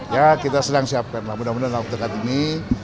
ya kita sedang siapkanlah mudah mudahan dalam waktu dekat ini